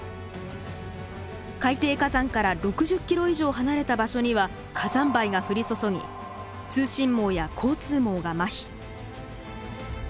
海底火山から６０ｋｍ以上離れた場所には火山灰が降り注ぎ通信網や交通網がまひ。